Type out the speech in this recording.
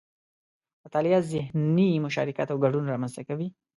مطالعه ذهني مشارکت او ګډون رامنځته کوي